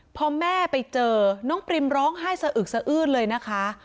พอแม่ไปเจอน้องปริมร้องไห้สะอึกสะอื้นเลยนะคะ